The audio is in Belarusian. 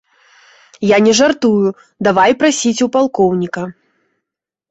Я не жартую, давай прасіць у палкоўніка.